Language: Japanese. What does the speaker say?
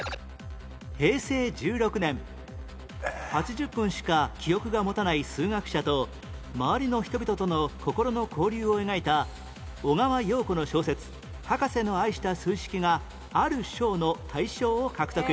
平成１６年８０分しか記憶がもたない数学者と周りの人々との心の交流を描いた小川洋子の小説『博士の愛した数式』がある賞の大賞を獲得